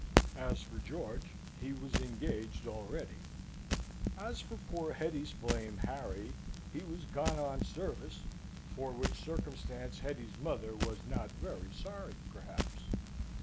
As for George, he was engaged already; as for poor Hetty's flame, Harry, he was gone on service, for which circumstance Hetty's mother was not very sorry perhaps.